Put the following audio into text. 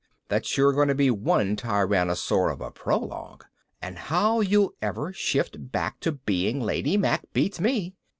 that's sure going to be one tyrannosaur of a prologue. And how you'll ever shift back to being Lady Mack beats me.